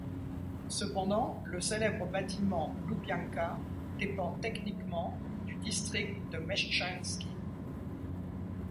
Cependant, le célèbre bâtiment Loubianka dépend techniquement du district de Mechtchanski.